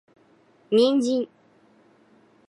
人参